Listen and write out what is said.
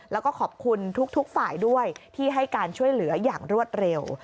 แล้วก็ขอบคุณทุกฝ่ายด้วยที่ให้การช่วยเหลืออย่างรวดเร็ว